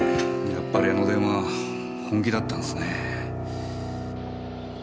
やっぱりあの電話本気だったんすね。